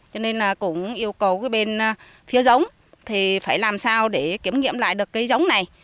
cho nên là cũng yêu cầu cái bên phía giống thì phải làm sao để kiểm nghiệm lại được cây giống này